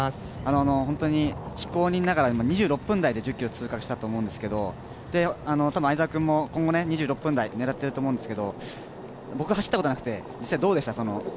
本当に非公認ながら２６分台で１０ｋｍ通過したと思うんですが、多分相澤君も今後２６分台狙ってると思うんですけれども、僕は走ったことなくて実際どうでした？